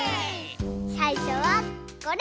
さいしょはこれ！